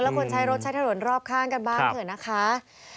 และคนใช้รถใช้ถนนรอบข้างกันบ้างเถอะนะคะ